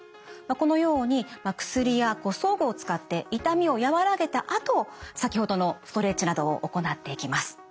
このように薬や装具を使って痛みを和らげたあと先ほどのストレッチなどを行っていきます。